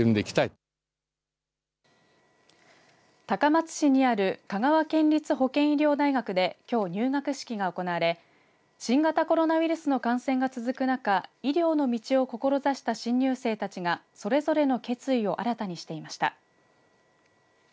高松市にある香川県立保健医療大学できょう入学式が行われ新型コロナウイルスの感染が続く中医療の道を志した新入生たちがそれぞれの決意を新たにしていました。